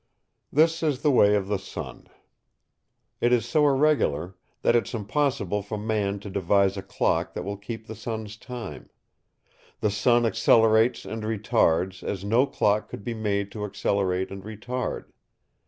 This is the way of the sun. It is so irregular that it is impossible for man to devise a clock that will keep the sun's time. The sun accelerates and retards as no clock could be made to accelerate and retard.